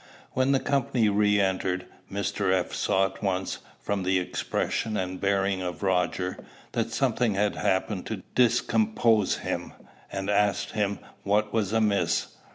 When the company re entered, Mr. F. saw at once, from the expression and bearing of Roger, that something had happened to discompose him, and asked him what was amiss.